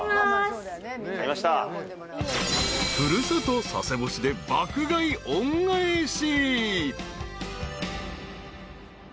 ［古里佐世保市で爆買い恩返し］